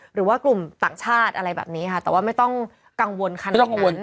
หรือว่ากลุ่มต่างชาติอะไรแบบนี้ค่ะแต่ว่าไม่ต้องกังวลขนาดนั้น